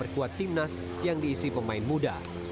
ezra tidak guna memperkuat tim nasional yang diisi pemain muda